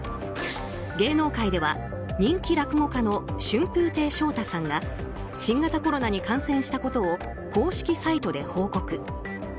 芸能界では人気落語家の春風亭昇太さんが新型コロナに感染したことを公式サイトで報告。